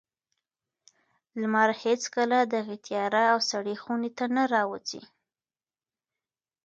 لمر هېڅکله دغې تیاره او سړې خونې ته نه راوځي.